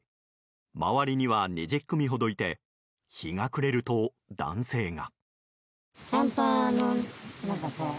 周りには２０組ほどいて日が暮れると、男性が。